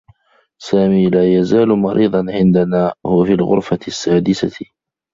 سامي لا يزال مريضا عندنا. هو في الغرفة السّادسة.